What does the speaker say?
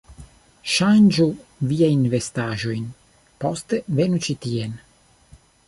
Ŝanĝu viajn vestaĵojn, poste venu ĉi tien